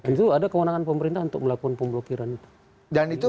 tentu ada kewenangan pemerintah untuk melakukan pemblokiran itu